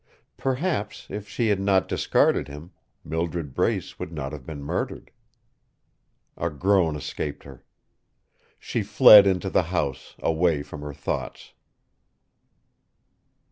Perhaps, if she had not discarded him, Mildred Brace would not have been murdered. A groan escaped her. She fled into the house, away from her thoughts.